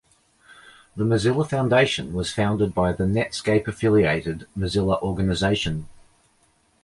The Mozilla Foundation was founded by the Netscape-affiliated Mozilla Organization.